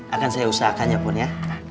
akan saya usahakan ya pun ya